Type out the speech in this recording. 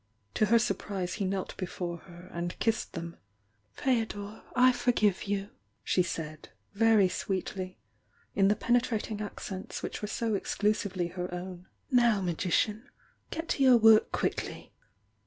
To her surprise he knelt before her and kissed them. "Feodor, I forgive you!" she said, very sweetly, in the penetrating accents which were so exclusively her own. — "Now, Magician, get to you work quick ly!